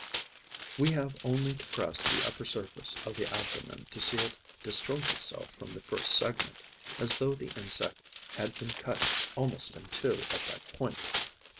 We have only to press the upper surface of the abdomen to see it disjoint itself from the first segment, as though the insect had been cut almost in two at that point.